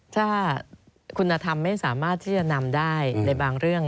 ถ้าคุณธรรมไม่สามารถที่จะนำได้ในบางเรื่อง